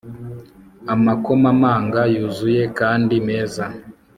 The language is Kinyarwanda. Amakomamanga yuzuye kandi meza